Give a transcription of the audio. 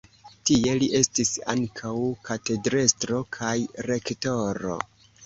Tie li estis ankaŭ katedrestro kaj rektoro.